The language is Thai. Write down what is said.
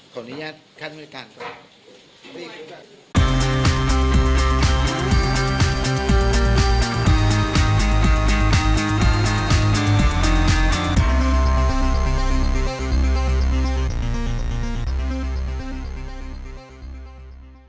ขออนุญาตค่าน้วยกัน